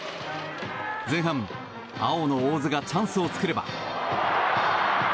前半、青の大津がチャンスを作れば。